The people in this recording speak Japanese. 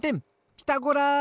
「ピタゴラ」！